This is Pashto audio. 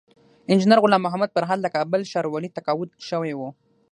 انجينر غلام محمد فرهاد له کابل ښاروالۍ تقاعد شوی وو